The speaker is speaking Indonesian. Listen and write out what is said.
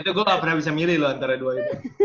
itu gue gak pernah bisa milih loh antara dua itu